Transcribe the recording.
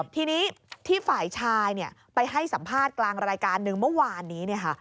ทีนี้ที่ฝ่ายชายไปให้สัมภาษณ์กลางรายการหนึ่งเมื่อวานนี้เนี่ยค่ะ